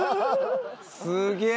すげえ！